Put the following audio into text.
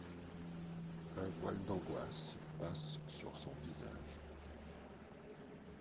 Un voile d'angoisse passe sur son visage.